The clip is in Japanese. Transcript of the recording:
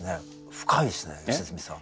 深いですね良純さん。